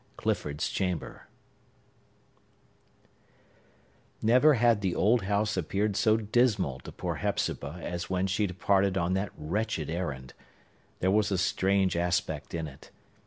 Clifford's Chamber Never had the old house appeared so dismal to poor Hepzibah as when she departed on that wretched errand. There was a strange aspect in it.